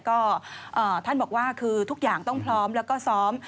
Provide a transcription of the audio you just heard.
ก็ท่านบอกว่าคือทุกอย่างต้องพร้อมแล้วก็ซ้อม